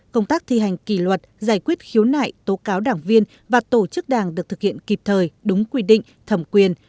công tác thi hành kỷ luật giải quyết khiếu nại tố cáo đảng viên và tổ chức đảng được thực hiện kịp thời đúng quy định thẩm quyền